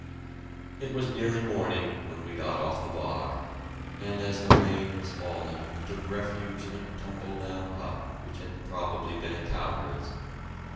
It was nearly morning when we got off the bog, and as the rain was falling we took refuge in a tumble down hut which had probably been a cowherd's.